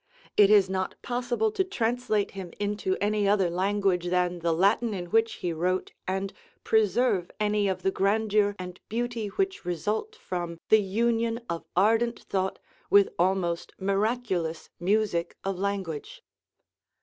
It is not possible to translate him into any other language than the Latin in which he wrote, and preserve any of the grandeur and beauty which result from the union of ardent thought with almost miraculous music of language.